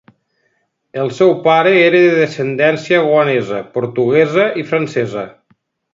El seu pare era de descendència goanesa, portuguesa i francesa.